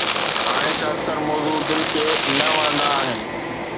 هاڻي ته اڪثر موضوع دل کي نه وڻندا آهن.